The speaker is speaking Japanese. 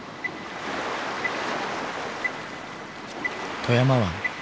富山湾。